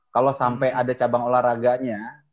kalau sampai ada cabang olahraganya